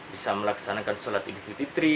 bisa melaksanakan sholat idul fitri